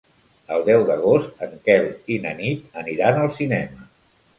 El deu d'agost en Quel i na Nit aniran al cinema.